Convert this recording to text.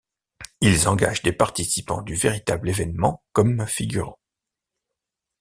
Ils engagent des participants du véritable événement comme figurants.